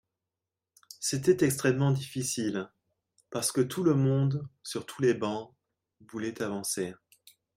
C’était extrêmement difficile, parce que tout le monde, sur tous les bancs, voulait avancer.